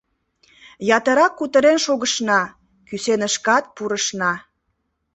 Ятырак кутырен шогышна, кӱсенышкат пурышна.